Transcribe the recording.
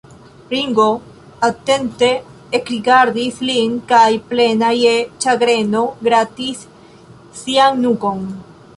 Ringo atente ekrigardis lin kaj plena je ĉagreno gratis sian nukon.